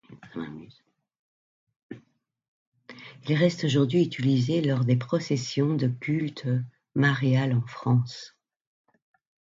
Il reste aujourd’hui utilisé lors des processions du culte marial en France.